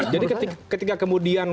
jadi ketika kemudian